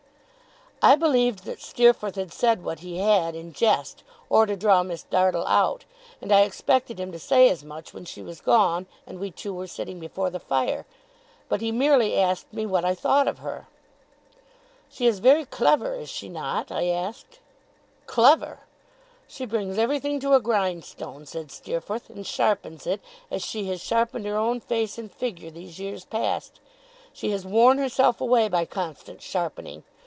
I believed that Steerforth had said what he had, in jest, or to draw Miss Dartle out; and I expected him to say as much when she was gone, and we two were sitting before the fire. But he merely asked me what I thought of her. 'She is very clever, is she not?' I asked. 'Clever! She brings everything to a grindstone,' said Steerforth, and sharpens it, as she has sharpened her own face and figure these years past. She has worn herself away by constant sharpening.